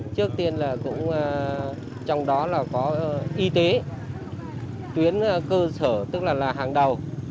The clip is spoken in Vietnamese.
trước tiên là cũng trong đó là có y tế tuyến cơ sở tức là hàng đầu